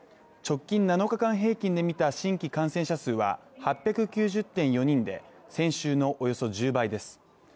直近７日間平均で見た新規感染者数は８９０．４人で先週のおよそ１０倍です。